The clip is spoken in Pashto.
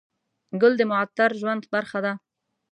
ګل د معطر ژوند برخه ده.